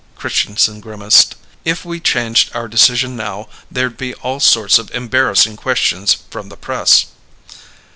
Christianson grimaced. "If we changed our decision now, there'd be all sorts of embarrassing questions from the press."